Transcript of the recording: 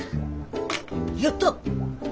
やった！